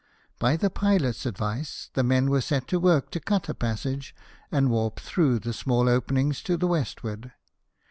By the pilots' advice the men were set to work to cut a passage and warp through the small openings to the westward.